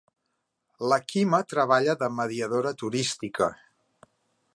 La Quima treballa de mediadora turística.